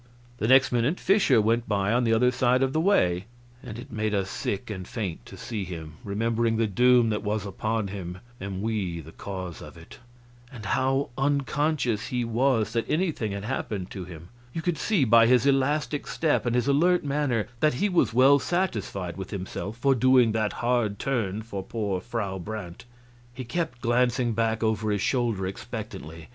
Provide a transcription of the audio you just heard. The next minute Fischer went by on the other side of the way, and it made us sick and faint to see him, remembering the doom that was upon him, and we the cause of it. And how unconscious he was that anything had happened to him! You could see by his elastic step and his alert manner that he was well satisfied with himself for doing that hard turn for poor Frau Brandt. He kept glancing back over his shoulder expectantly.